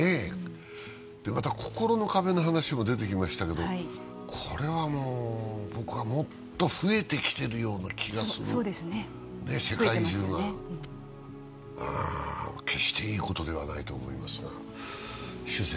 また、心の壁の話も出てきましたけど、僕はもっと増えてきているような気がする、世界中が、決していいことではないと思いますが。